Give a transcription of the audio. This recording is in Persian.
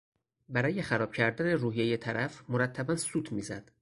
برای خراب کردن روحیهی طرف مرتبا سوت میزد.